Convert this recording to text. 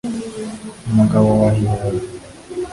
umugabo wa Hillary